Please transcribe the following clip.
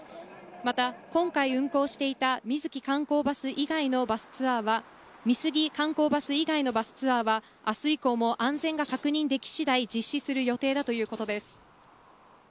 また、今回、運行していた美杉観光バス以外のバスツアーは明日以降も安全が確認でき次第実施する予定だということです。